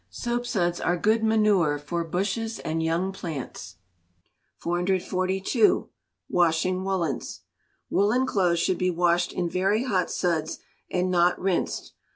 Soapsuds are good manure for bushes and young plants. 442. Washing Woollens. Woollen clothes should be washed in very hot suds, and not rinsed.